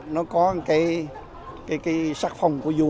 nó có cái sát phong của vua